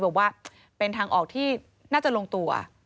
บอกว่าเป็นทางออกที่น่าจะลงตัว